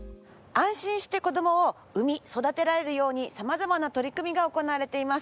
安心して子どもを産み育てられるように様々な取り組みが行われています。